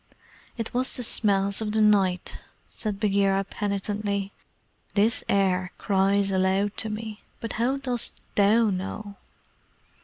"It was the smells of the night," said Bagheera penitently. "This air cries aloud to me. But how dost THOU know?"